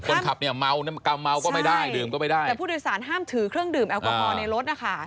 คนขับเนี่ยเมาน้ำกรรมเมาก็ไม่ได้ดื่มก็ไม่ได้แต่ผู้โดยสารห้ามถือเครื่องดื่มแอลกอฮอลในรถนะคะ